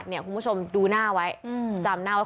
คุณผู้ชมดูหน้าไว้จำหน้าไว้